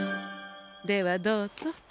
ではどうぞ。